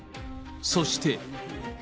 そして。